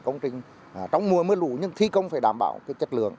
công trình trong mùa mưa lũ nhưng thi công phải đảm bảo chất lượng